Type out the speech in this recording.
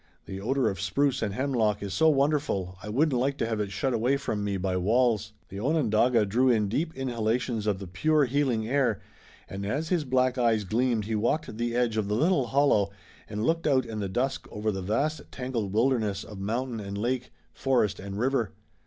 "The odor of spruce and hemlock is so wonderful I wouldn't like to have it shut away from me by walls." The Onondaga drew in deep inhalations of the pure, healing air, and as his black eyes gleamed he walked to the edge of the little hollow and looked out in the dusk over the vast tangled wilderness of mountain and lake, forest and river.